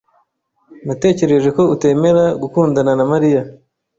Natekereje ko utemera gukundana na Mariya.